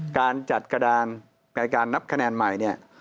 การจัดกระดานในการนับคะแนนใหม่เนี่ย